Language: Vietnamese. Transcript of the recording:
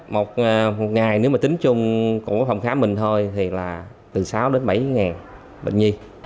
một ngày nếu mà tính chung của phòng khám mình thôi thì là từ sáu đến bảy ngàn